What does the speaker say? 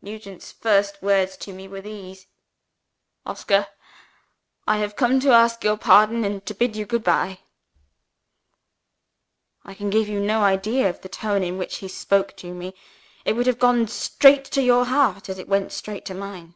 Nugent's first words to me were these: " 'Oscar, I have come to ask your pardon, and to bid you good bye.' "I can give you no idea of the tone in which he spoke to me: it would have gone straight to your heart, as it went straight to mine.